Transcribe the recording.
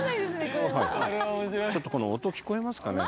ちょっとこの音聞こえますかね